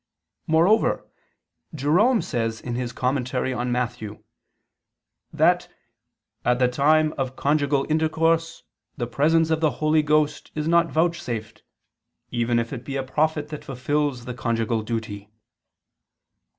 Moreover, Jerome says in his commentary on Matthew [*Origen, Hom. vi in Num.] that "at the time of conjugal intercourse, the presence of the Holy Ghost is not vouchsafed, even if it be a prophet that fulfils the conjugal duty."